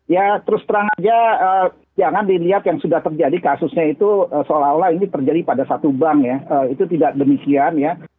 ya terus terang aja jangan dilihat yang sudah terjadi kasusnya itu seolah olah ini terjadi pada satu bank ya itu tidak demikian ya